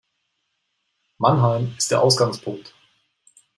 Mannheim ist der Ausgangpunkt